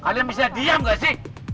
kalian bisa diam gak sih